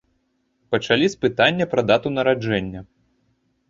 Пачалі з пытання пра дату нараджэння.